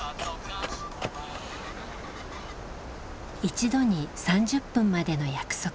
一度に３０分までの約束。